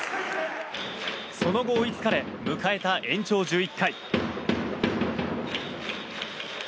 その後、追いつかれ迎えた延長１１回。